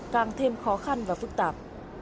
càng thêm khó khăn và phức tạp